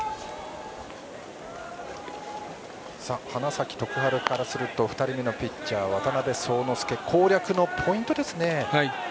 花咲徳栄からすると２人目のピッチャー・渡邉聡之介攻略のポイントは。